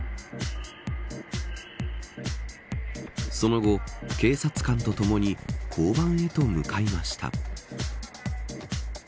その後、警察官とともに交番へと向かいました。